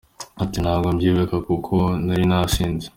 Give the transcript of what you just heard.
Ati “Ntabwo mbyibuka kuko nari nasinze.